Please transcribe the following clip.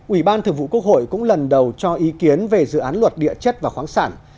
ủy ban thượng vụ quốc hội cũng lần đầu cho ý kiến về dự án luật địa chất và khoáng sản